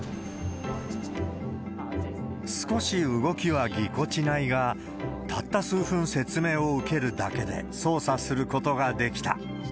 少し動きはぎこちないが、たった数分説明を受けるだけで、操作することができた。